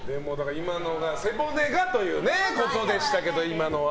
背骨がということでしたけど今のは。